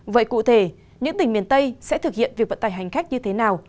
vậy cụ thể những tỉnh miền tây sẽ thực hiện việc vận tải hành khách như thế nào